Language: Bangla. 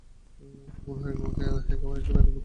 আমার মনে কেমন একটু ব্যথা বোধ হইল।